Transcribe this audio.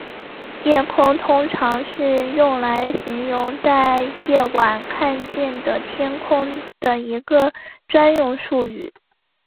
夜空通常是用来形容在夜晚看见的天空的一个专用术语。